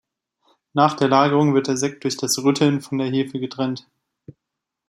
Nach der Lagerung wird der Sekt durch das Rütteln von der Hefe getrennt.